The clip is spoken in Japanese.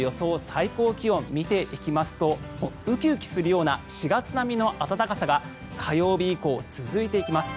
最高気温を見てみますとウキウキするような４月並みの暖かさが火曜日以降、続いていきます。